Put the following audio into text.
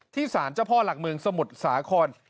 สารเจ้าพ่อหลักเมืองสมุทรสาคร